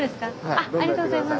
ありがとうございます。